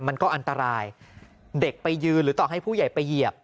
มันก็อันตรายเด็กไปยืนหรือต่อให้ผู้ใหญ่ไปเหยียบ